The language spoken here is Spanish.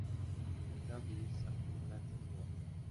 Love is a Four Letter Word.